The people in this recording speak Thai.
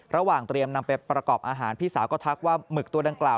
ระหว่างเตรียมนำไปประกอบอาหารพี่สาวก็ทักว่าหมึกตัวดังกล่าว